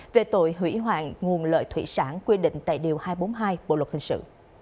về tội hủy hoạn nguồn lợi thủy sản quy định tại điều hai trăm bốn mươi hai bộ luật hình sự